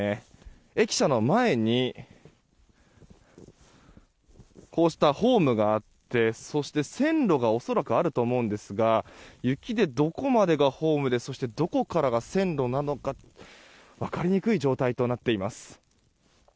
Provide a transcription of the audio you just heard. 駅舎の前にこうしたホームがあってそして線路が恐らくあると思うんですが雪で、どこまでがホームでそして、どこからが線路なのか分かりにくい状態となっています。